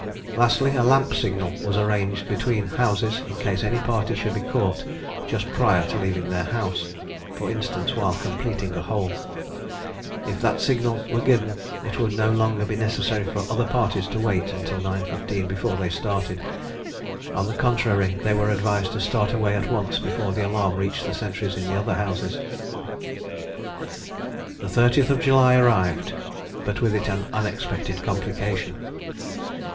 Lastly, a lamp signal was arranged between houses in case any party should be caught just prior to leaving their house, for instance while completing a hole. If that signal were given, it would no longer be necessary for the other parties to wait until 9.15 before they started; on the contrary, they were advised to start away at once before the alarm reached the sentries in the other houses. The 30th July arrived, but with it an unexpected complication.